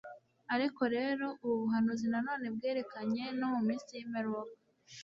Ariko rero ubu buhanuzi na none bwerekeranye no mu minsi y'imperuka.